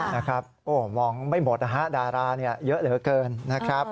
นะครับโอ้มองไม่หมดนะฮะดาราเนี่ยเยอะเหลือเกินนะครับ